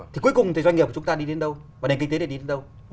thì cuối cùng thì doanh nghiệp của chúng ta đi đến đâu